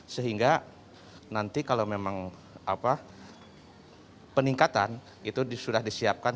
sehingga nanti kalau memang peningkatan itu sudah disiapkan